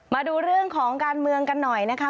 มาดูเรื่องของการเมืองกันหน่อยนะคะ